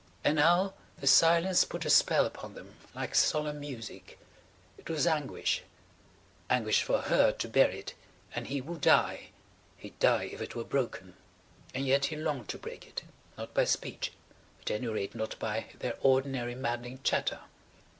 And now the silence put a spell upon them like solemn music. It was anguish–anguish for her to bear it and he would die–he'd die if it were broken. ... And yet he longed to break it. Not by speech. At any rate not by their ordinary maddening chatter.